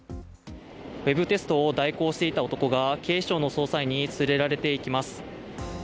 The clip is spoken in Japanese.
ウェブテストを代行していた男が警視庁の捜査員に連れられていきます。